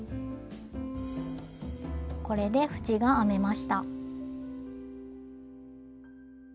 これで縁が編めました。